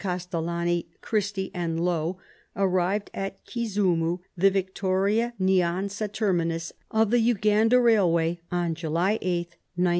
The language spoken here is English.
Castellani, Christy and Low, arrived at Kisumu, the Vic toria Nyanza terminus of the Uganda Eailway, on July 8th, 1902.